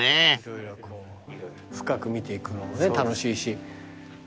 色々こう深く見ていくのもね楽しいし。